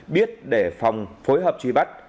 biết để phòng phối hợp truy bắt